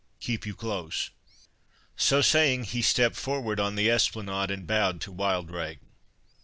—Keep you close." So saying, he stepped forward on the esplanade, and bowed to Wildrake.